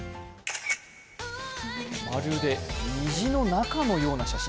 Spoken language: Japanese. まるで虹の中のような写真。